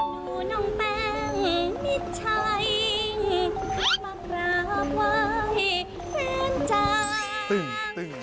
มารับไว้เพื่อนจ้าง